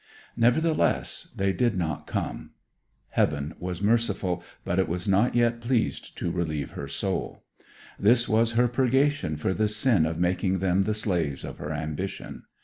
Nevertheless they did not come. Heaven was merciful, but it was not yet pleased to relieve her soul. This was her purgation for the sin of making them the slaves of her ambition.